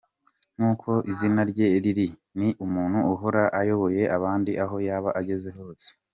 Nk’uko izina rye riri, ni umuntu uhora ayoboye abandi aho yaba ageze hose.